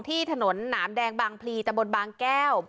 ที่ถนนหนามแดงบางพลีตะบนบางแก้ว